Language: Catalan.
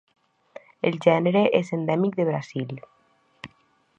El gènere és endèmic de Brasil.